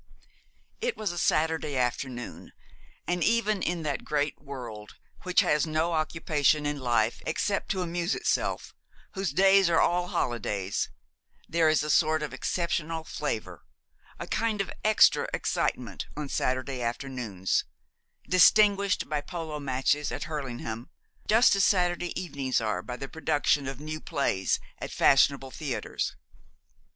It was a Saturday afternoon, and even in that great world which has no occupation in life except to amuse itself, whose days are all holidays, there is a sort of exceptional flavour, a kind of extra excitement on Saturday afternoons, distinguished by polo matches at Hurlingham, just as Saturday evenings are by the production of new plays at fashionable theatres.